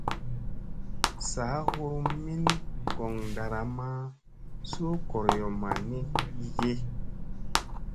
Saa hurum min goŋ ɗaramma su gooryomma ni gige ?